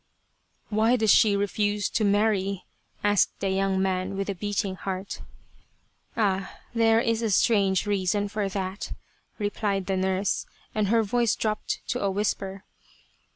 " Why does she refuse to marry ?" asked the young man, with a beating heart. " Ah ! there is a strange reason for that !" replied the nurse, and her voice dropped to a whisper.